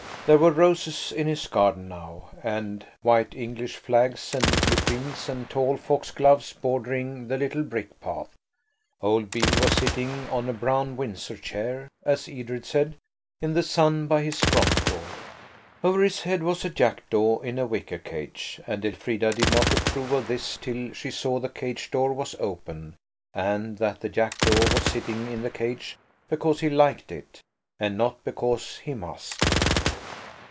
There were roses in his garden now, and white English flags and lupins and tall foxgloves bordering the little brick path. Old Beale was sitting "on a brown Windsor chair," as Edred said, in the sun by his front door. Over his head was a jackdaw in a wicker cage, and Elfrida did not approve of this till she saw the cage door was open, and that the jackdaw was sitting in the cage because he liked it, and not because he must.